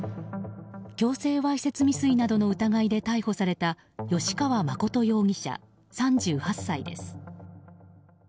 強制わいせつ未遂などの疑いで逮捕された吉川誠容疑者、３８歳です。